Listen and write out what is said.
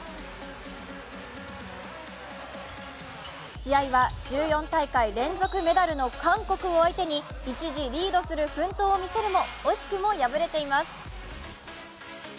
試合は１４大会連続メダルの韓国を相手に一時リードする奮闘を見せるも惜しくも敗れています。